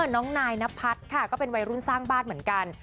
น้องนายนพัฒน์ค่ะก็เป็นวัยรุ่นสร้างบ้านเหมือนกัน